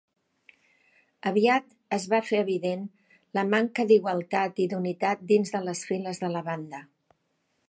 Aviat es va fer evident la manca d'igualtat i d'unitat dins de les files de la banda.